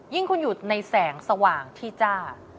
ยิ่งคุณอยู่ในแสงสว่างที่จ้า